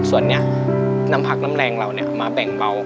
ส่วนนี้น้ำผักน้ำแรงเรามาแบ่งเบา